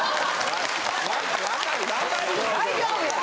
大丈夫や。